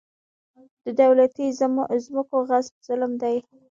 د دولتي ځمکو غصب ظلم دی.